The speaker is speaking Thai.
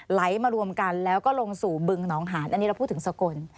ไหลมารวมกันแล้วก็ลงสู่บึงหนองหานอันนี้เราพูดถึงสกล